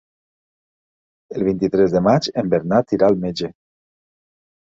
El vint-i-tres de maig en Bernat irà al metge.